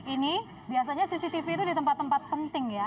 ini biasanya cctv itu di tempat tempat penting ya